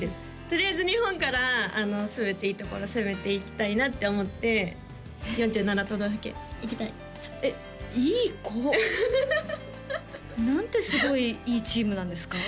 とりあえず日本から全ていいところ攻めていきたいなって思って４７都道府県行きたいえっいい子なんてすごいいいチームなんですか？